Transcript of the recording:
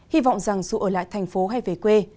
hy vọng rằng dù ở lại thành phố hay về quê